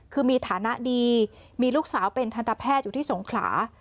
คือมีฐานะดีมีลูกสาวเป็นทันตแพทย์อยู่ที่สงขลา